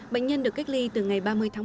bệnh nhân được cách ly từ ngày ba mươi tháng ba